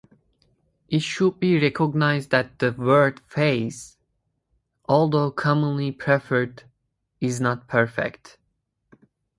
It should be recognized that the word "phase", although commonly preferred, is not perfect.